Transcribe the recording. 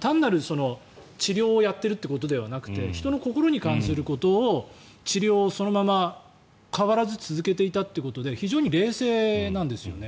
単なる治療をやっているということではなくて人の心に関することを治療をそのまま変わらず続けていたということで非常に冷静なんですよね。